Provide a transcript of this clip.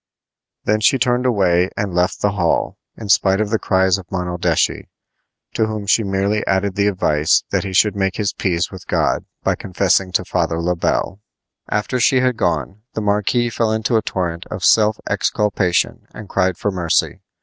Then she turned away and left the hall, in spite of the cries of Monaldeschi, to whom she merely added the advice that he should make his peace with God by confessing to Father Le Bel. After she had gone the marquis fell into a torrent of self exculpation and cried for mercy.